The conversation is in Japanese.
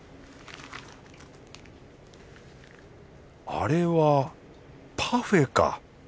あれはパフェか。